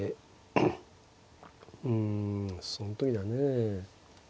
うんその時だねえ。